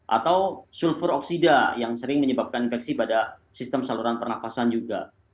atau sulfur oksida yang sering menyebabkan infeksi pada sistem saluran pernafasan juga